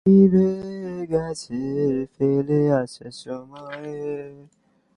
Sir, এখন ছয় বছর হয়ে গেছে।